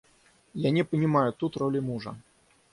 Я не понимаю тут роли мужа.